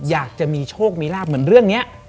อยากจะมีโชคมีลาบเหมือนเรื่องนี้